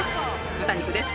豚肉です。